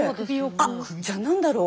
あっじゃ何だろう？